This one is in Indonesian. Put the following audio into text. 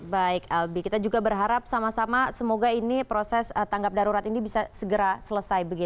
baik albi kita juga berharap sama sama semoga ini proses tanggap darurat ini bisa segera selesai